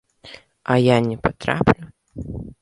А я не патраплю?